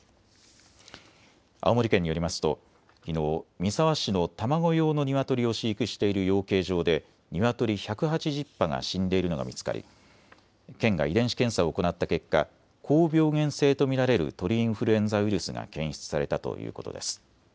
青森県によりますときのう三沢市の卵用のニワトリを飼育している養鶏場でニワトリ１８０羽が死んでいるのが見つかり県が遺伝子検査を行った結果、高病原性と見られる鳥インフルエンザウイルスが検出されたということです。